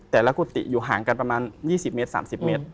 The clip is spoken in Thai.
กุฏิอยู่ห่างกันประมาณ๒๐เมตร๓๐เมตร